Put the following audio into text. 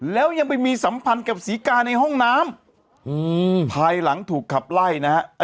แล้วยังไปมีสัมพันธ์กับศรีกาในห้องน้ำภายหลังถูกขับไล่นะฮะ